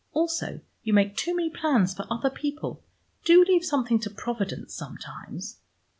Also you make too many plans for other people. Do leave something to Providence sometimes."